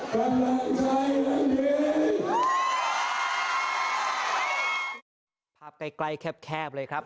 กำลังใจยังดีเห็นผมไหมพี่น้องประชาชน